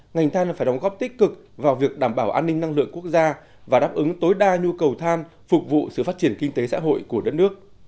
ngành than phải đóng góp tích cực vào việc đảm bảo an ninh năng lượng quốc gia và đáp ứng tối đa nhu cầu than phục vụ sự phát triển kinh tế xã hội của đất nước